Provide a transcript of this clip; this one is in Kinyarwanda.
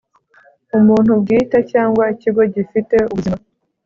Umuntu bwite cyangwa ikigo gifite ubuzima